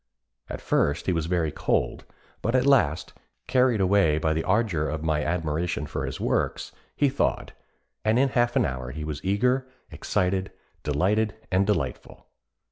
At first he was very cold, but at last, carried away by the ardour of my admiration for his works, he thawed, and in half an hour he was eager, excited, delighted and delightful."